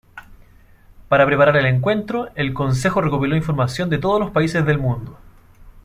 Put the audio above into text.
Para preparar el encuentro, el consejo recopiló información de todos los países del mundo.